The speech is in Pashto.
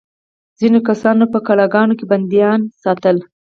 ځینو کسانو په قلعه ګانو کې بندیان ساتل.